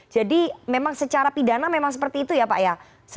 jadi memang secara pidana memang seperti itu ya pak ya